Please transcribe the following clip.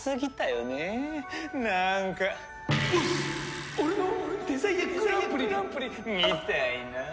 なんか「押忍！！俺のデザイアグランプリ！」みたいな。